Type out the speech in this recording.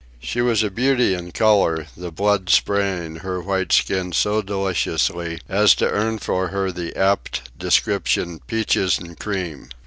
She was a beauty in color, the blood spraying her white skin so deliciously as to earn for her the apt description, "peaches and cream."